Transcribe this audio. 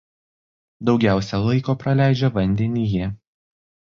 Daugiausia laiko praleidžia vandenyje.